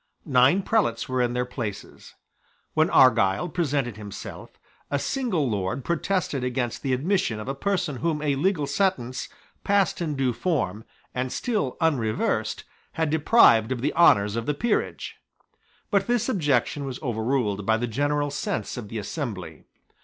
Nine prelates were in their places. When Argyle presented himself, a single lord protested against the admission of a person whom a legal sentence, passed in due form, and still unreversed, had deprived of the honours of the peerage. But this objection was overruled by the general sense of the assembly.